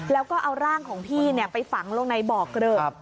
แล้วก็เอาร่างของพี่ไปฝังลงในบ่อเกลอะ